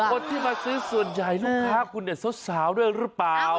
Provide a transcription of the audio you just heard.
คนที่มาซื้อส่วนใหญ่ลูกค้าคุณเนี่ยสาวด้วยหรือเปล่า